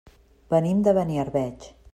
Venim de Beniarbeig.